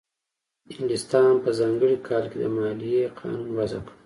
انګلستان په ځانګړي کال کې د مالیې قانون وضع کړ.